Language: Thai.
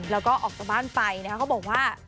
แล้วก็ออกจากบ้านไปนะคะเขาบอกว่า